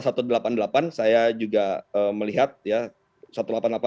saya juga melihat ya